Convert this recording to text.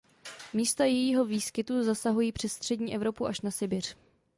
Místa jejího výskytu zasahují přes střední Evropu až na Sibiř.